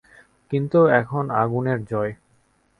কিন্তু এখন আগুনের জয়।